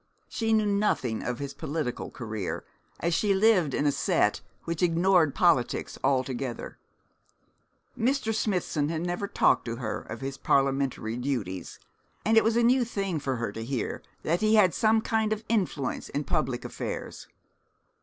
She knew nothing of his political career, as she lived in a set which ignored politics altogether. Mr. Smithson had never talked to her of his parliamentary duties; and it was a new thing for her to hear that he had some kind of influence in public affairs.